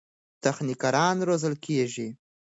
تخنیکران روزل کېږي.